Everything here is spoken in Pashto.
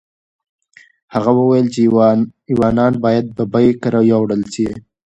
هغه وویل چې ایوانان باید ببۍ کره یوړل شي.